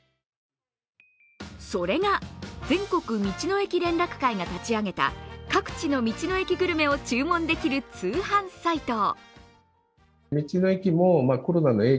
それが、全国道の駅連絡会が立ち上げた各地の道の駅グルメを注文できる通販サイト。